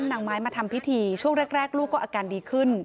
หาหมอผี